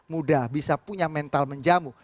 muda bisa punya mental menjamu